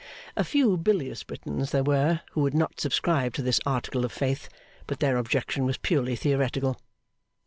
A few bilious Britons there were who would not subscribe to this article of faith; but their objection was purely theoretical.